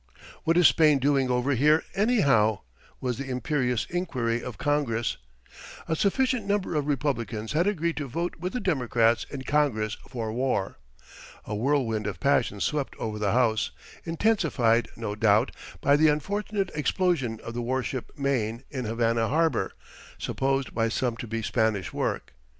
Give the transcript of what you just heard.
"What is Spain doing over here, anyhow?" was the imperious inquiry of Congress. A sufficient number of Republicans had agreed to vote with the Democrats in Congress for war. A whirlwind of passion swept over the House, intensified, no doubt, by the unfortunate explosion of the warship Maine in Havana Harbor, supposed by some to be Spanish work.